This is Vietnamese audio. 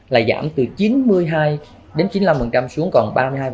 là giảm từ chín mươi hai đến chín mươi năm xuống còn ba mươi hai